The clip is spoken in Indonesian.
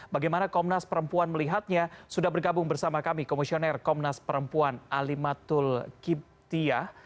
bagaimana komnas perempuan melihatnya sudah bergabung bersama kami komisioner komnas perempuan alimatul kiptiah